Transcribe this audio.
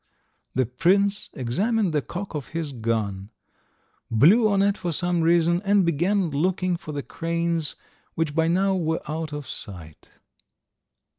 The prince examined the cock of his gun, blew on it for some reason, and began looking for the cranes which by now were out of sight.